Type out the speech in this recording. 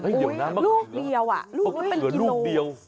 อุ้ยลูกเดียวอ่ะลูกนั้นเป็นกิโล